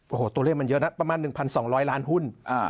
โอ้โหตัวเลขมันเยอะนะประมาณ๑๒๐๐ล้านหุ้น